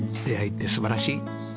出会いって素晴らしい。